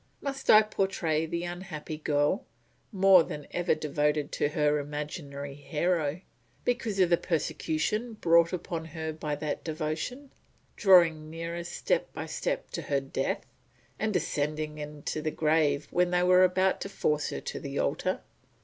Must I portray the unhappy girl, more than ever devoted to her imaginary hero, because of the persecution brought upon her by that devotion, drawing nearer step by step to her death, and descending into the grave when they were about to force her to the altar?